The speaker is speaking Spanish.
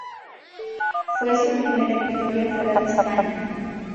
Fue su primera victoria fuera de España.